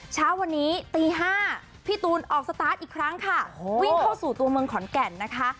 เช้าวันนี้ตี๕พี่ตูนออกสตาร์ทอีกครั้งค่ะวิ่งเข้าสู่ตัวเมืองขอนแก่นนะคะ